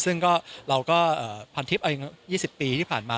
ซึ่งก็เราก็พันทิพย์๒๐ปีที่ผ่านมา